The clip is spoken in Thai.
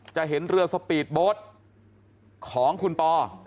จะเห็นเรือสปีดโบ๊ทของคุณปอ